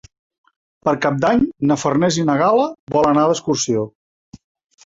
Per Cap d'Any na Farners i na Gal·la volen anar d'excursió.